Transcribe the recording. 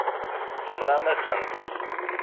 Tenɣam-asen-t.